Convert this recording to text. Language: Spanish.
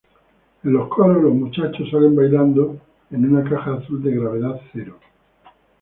En los coros, los muchachos salen bailando en una caja azul de gravedad-cero.